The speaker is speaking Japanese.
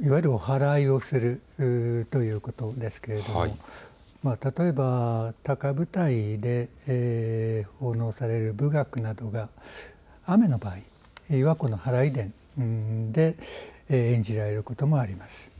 いわゆるおはらいをするということですけれども例えば高舞台で奉納される文楽などが雨の場合、祓殿で演じられることもあります。